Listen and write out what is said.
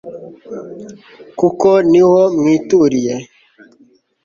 kuko niho mwituriye